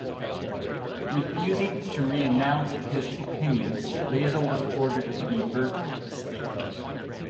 Refusing to renounce his opinions, Basil was ordered to be burnt at the stake.